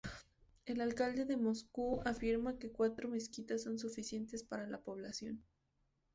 El alcalde de Moscú afirma que cuatro mezquitas son suficientes para la población.